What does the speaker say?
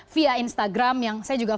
via instagram yang saya juga